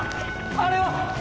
あれは！